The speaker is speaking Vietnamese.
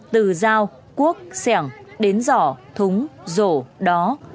từ dao cuốc xẻng đến giỏ thúng rổ đó